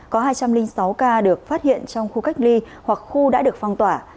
có hai trăm linh sáu ca được phát hiện trong khu cách ly hoặc khu đã được phong tỏa